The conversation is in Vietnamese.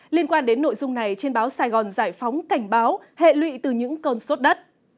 liên quan đến nội dung này trên báo sài gòn giải phóng cảnh báo hệ lụy từ những cơn sốt đất